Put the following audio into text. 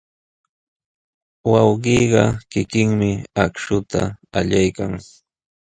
Wawqiiqa kikinmi akshuta allaykan.